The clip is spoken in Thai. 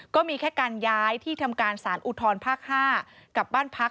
ก็มีแค่การย้ายที่ทำการสารอุทธรภาค๕กับบ้านพัก